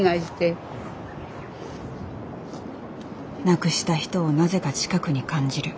亡くした人をなぜか近くに感じる。